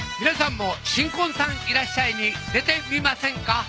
皆さんも新婚さんいらっしゃい！に出てみませんか？